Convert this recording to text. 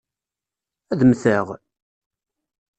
Ad mmteɣ?